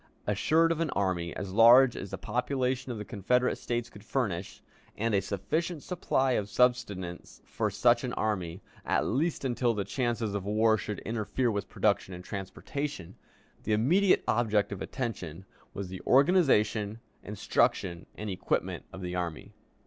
Assured of an army as large as the population of the Confederate States could furnish, and a sufficient supply of subsistence for such an army, at least until the chances of war should interfere with production and transportation, the immediate object of attention was the organization, instruction, and equipment of the army.